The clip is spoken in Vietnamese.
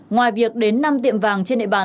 ngoài việc đến năm tiệm vàng trên địa bàn